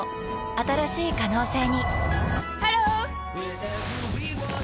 新しい可能性にハロー！